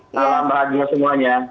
salam bahagia semuanya